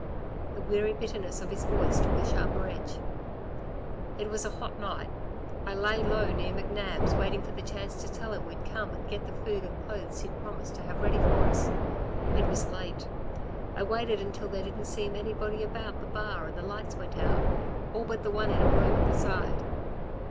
The weary bitterness of his voice took a sharper edge. "It was a hot night; I lay low near McNab's, waiting for the chance to tell him we'd come and get the food and clothes he'd promised to have ready for us. It was late.... I waited until there didn't seem anybody about the bar and the lights went out all but the one in a room at the side.